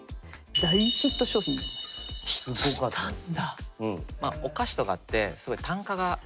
ヒットしたんだ。